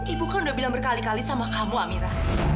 ibu kan udah bilang berkali kali sama kamu amira